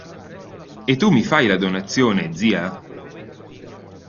E tu mi fai la donazione, zia?